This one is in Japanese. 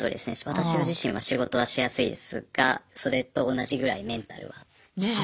私自身は仕事はしやすいですがそれと同じぐらいメンタルはしんどいですね。